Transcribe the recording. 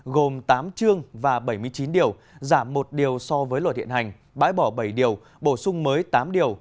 gồm tám chương và bảy mươi chín điều giảm một điều so với luật hiện hành bãi bỏ bảy điều bổ sung mới tám điều